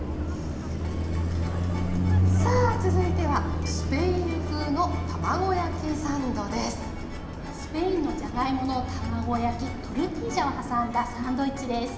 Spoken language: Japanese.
さあ続いてはスペインのじゃがいもの卵焼きトルティージャを挟んだサンドイッチです。